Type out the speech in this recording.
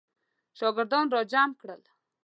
شاګردان را جمع کړل.